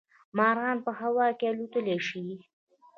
مارغان په هوا کې الوتلی شي